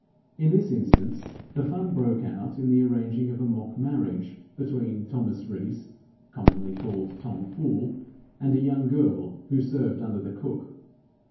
In this instance, the fun broke out in the arranging of a mock marriage between Thomas Rees, commonly called Tom Fool, and a young girl who served under the cook.